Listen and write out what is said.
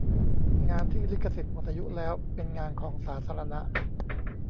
งานที่ลิขสิทธิ์หมดอายุแล้วเป็นงานของสาธารณะ